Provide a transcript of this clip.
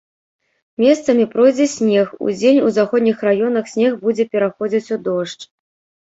Месцамі пройдзе снег, удзень у заходніх раёнах снег будзе пераходзіць у дождж.